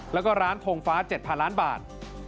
แล้วก็ร้านทงฟ้า๗๐๐ล้านบาท